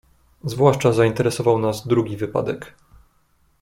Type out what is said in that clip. "Zwłaszcza zainteresował nas drugi wypadek."